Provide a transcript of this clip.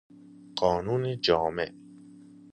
قانون جامع